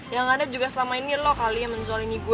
kamu tuh aneh kamu kok malah ngezolimin aku